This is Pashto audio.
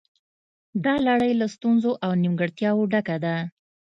دا لړۍ له ستونزو او نیمګړتیاوو ډکه ده